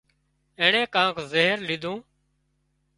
اينڻي ڪانڪ زهر ليڌُون